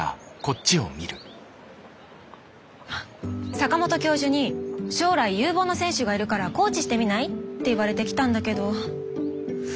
坂本教授に「将来有望な選手がいるからコーチしてみない？」って言われて来たんだけど。